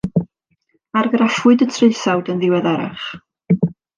Argraffwyd y traethawd yn ddiweddarach.